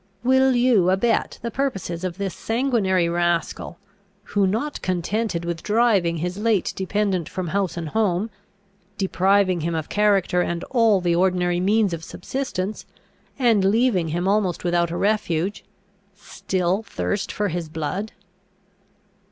Will you abet the purposes of this sanguinary rascal, who, not contented with driving his late dependent from house and home, depriving him of character and all the ordinary means of subsistence, and leaving him almost without a refuge, still thirsts for his blood?